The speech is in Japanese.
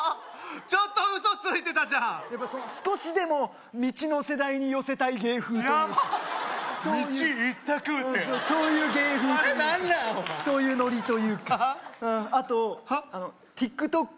ちょっとウソついてたじゃんやっぱ少しでも「道」の世代に寄せたい芸風というかヤバ「道」一択ってそういう芸風というかあれ何だよお前そういうノリというかあとＴｉｋＴｏｋ